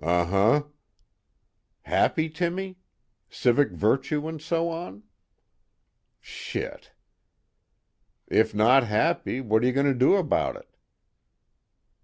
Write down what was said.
"Uh huh." "Happy, Timmy? Civic virtue and so on?" "Shit." "If not happy, what are you going to do about it?"